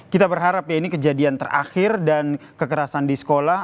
kita berharap ya ini kejadian terakhir dan kekerasan di sekolah